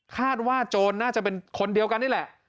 โจรน่าจะเป็นคนเดียวกันนี่แหละ